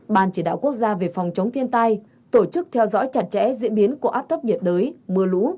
ban chỉ đạo quốc gia về phòng chống thiên tai tổ chức theo dõi chặt chẽ diễn biến của áp thấp nhiệt đới mưa lũ